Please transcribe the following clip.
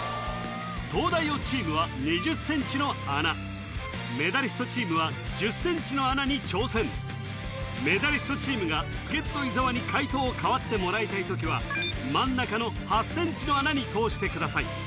東大王チームは２０ｃｍの穴メダリストチームは１０ｃｍの穴に挑戦メダリストチームが助っ人伊沢に解答を代わってもらいたい時は真ん中の８ｃｍの穴に通してください